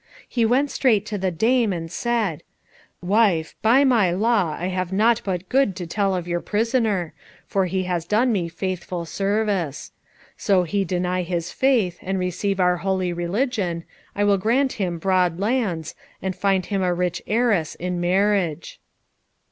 He went straight to the dame, and said, "Wife, by my law I have naught but good to tell of your prisoner, for he has done me faithful service. So he deny his faith, and receive our holy religion, I will grant him broad lands, and find him a rich heiress in marriage."